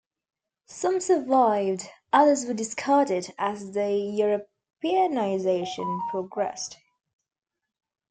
Some survived, others were discarded as the Europeanization progressed.